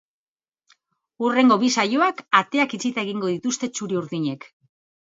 Hurrengo bi saioak ateak itxita egingo dituzte txuri-urdinek.